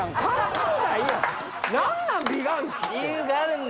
何なん？